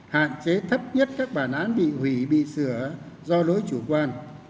hạn chế thấp nhất các bản án bị hủy bị sửa do lối chủ quan